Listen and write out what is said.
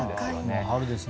春ですね。